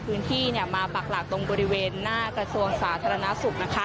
พื้นที่เนี่ยมาปักหลักตรงบริเวณหน้ากระทรวงสาธารณสุขนะคะ